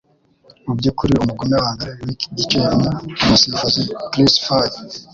Mubyukuri, umugome wambere wiki gice ni umusifuzi Chris Foy.